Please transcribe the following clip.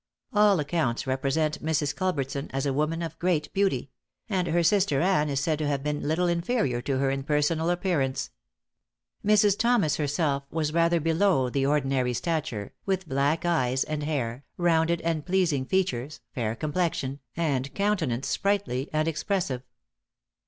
All accounts represent Mrs. Culbertson as a woman of great beauty; and her sister Ann is said to have been little inferior to her in personal appearance. Mrs. Thomas herself was rather below the ordinary stature, with black eyes and hair, rounded and pleasing features, fair complexion, and countenance sprightly and expressive.